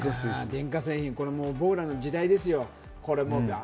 電化製品、僕らの時代ですよ。